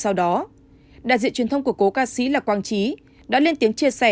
trước đó đại diện truyền thông của cố ca sĩ là quang trí đã lên tiếng chia sẻ